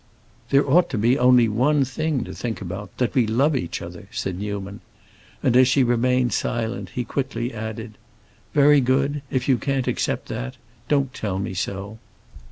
"There ought to be only one thing to think about—that we love each other," said Newman. And as she remained silent he quickly added, "Very good, if you can't accept that, don't tell me so."